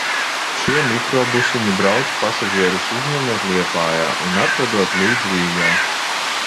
Šie mikrobusiņi brauc, pasažierus uzņemot Liepājā un atvedot līdz Rīgai.